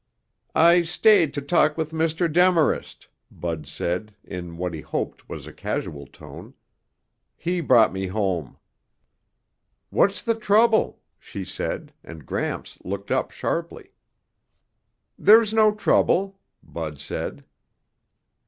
"I stayed to talk with Mr. Demarest," Bud said, in what he hoped was a casual tone. "He brought me home." "What's the trouble?" she said, and Gramps looked up sharply. "There's no trouble," Bud said.